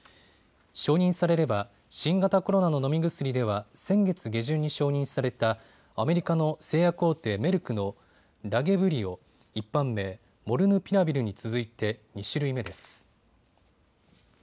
承認されれば新型コロナの飲み薬では先月下旬に承認されたアメリカの製薬大手、メルクのラゲブリオ、一般名、モルヌピラビルに続いて２種類目です。